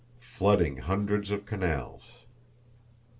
Flooding Hundreds of Canals.